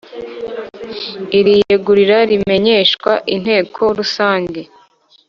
Iri yegura rimenyeshwa Inteko rusange